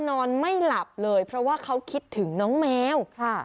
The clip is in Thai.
นอนไม่หลับเลยเพราะว่าเขาคิดถึงน้องแมวค่ะ